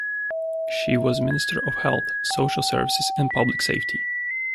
She was Minister of Health, Social Services and Public Safety.